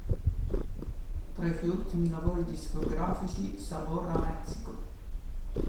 Tra i suoi ultimi lavori discografici: "Sabor a México".